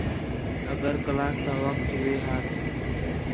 اگر کلاس تا وخت وے ہات